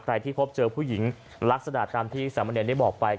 ที่พบเจอผู้หญิงลักษณะตามที่สามเณรได้บอกไป